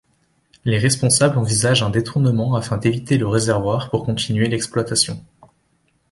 Les responsables envisagent un détournement afin d’éviter le réservoir pour continuer l’exploitation.